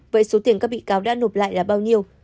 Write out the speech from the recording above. vậy số tiền các bị cáo đã nộp lại là bao nhiêu